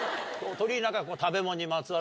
鳥居何か食べ物にまつわる。